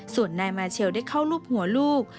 ส่วนนายมาเชลได้เข้ารูปหัวลูก